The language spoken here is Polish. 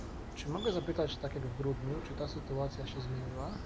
Czy mogę zapytać, tak jak w grudniu, czy ta sytuacja się zmieniła?